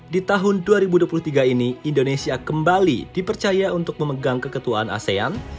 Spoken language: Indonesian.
di tahun dua ribu dua puluh tiga ini indonesia kembali dipercaya untuk memegang keketuaan asean